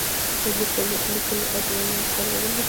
یوه لیکلې ازموینه ورکول اړین دي.